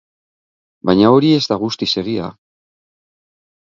Baina hori ez da guztiz egia.